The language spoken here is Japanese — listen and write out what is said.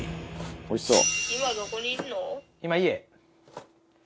「おいしそう」